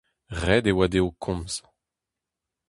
Ret e oa dezho komz.